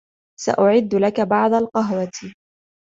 سأعد لك بعض القهوة.